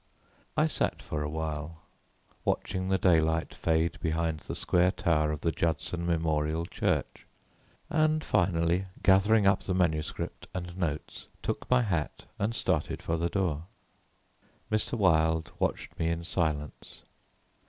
I sat for a while watching the daylight fade behind the square tower of the Judson Memorial Church, and finally, gathering up the manuscript and notes, took my hat and started for the door. Mr. Wilde watched me in silence.